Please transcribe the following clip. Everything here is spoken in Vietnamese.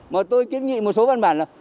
mà tôi kiến nghị một số văn bản là